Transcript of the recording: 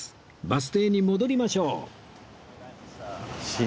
バス停に戻りましょう